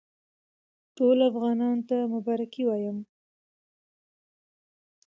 ټولو افغانانو ته مبارکي وایم.